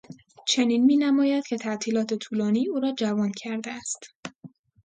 چنین مینماید که تعطیلات طولانی او را جوان کرده است.